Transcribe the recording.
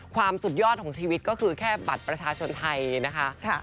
สุดยอดของชีวิตก็คือแค่บัตรประชาชนไทยนะคะ